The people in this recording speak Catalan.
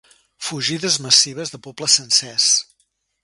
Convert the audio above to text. Fugides massives de pobles sencers.